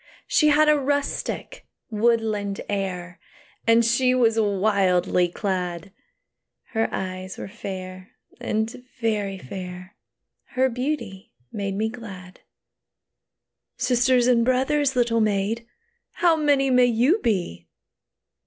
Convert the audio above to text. She had a rustic, woodland air, And she was wildly clad; Her eyes were fair, and very fair; Her beauty made me glad. "Sisters and brothers, little maid, How many may you be?"